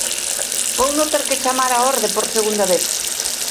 Vouno ter que chamar á orde por segunda vez.